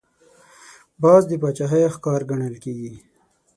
باز د باچاهۍ ښکار ګڼل کېږي